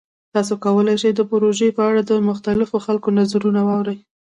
تاسو کولی شئ د پروژې په اړه د مختلفو خلکو نظرونه واورئ.